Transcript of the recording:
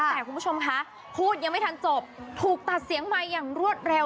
แต่คุณผู้ชมคะพูดยังไม่ทันจบถูกตัดเสียงใหม่อย่างรวดเร็ว